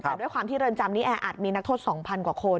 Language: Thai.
แต่ด้วยความที่เรือนจำนี้แออัดมีนักโทษ๒๐๐กว่าคน